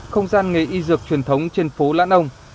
không gian nghề y dược truyền thống trên phố lãn ông